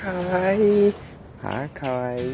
かわいい。